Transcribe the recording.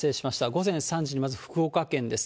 午前３時にまず福岡県です。